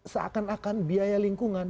seakan akan biaya lingkungan